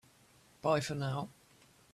Bye for now!